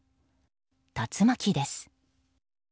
竜巻です。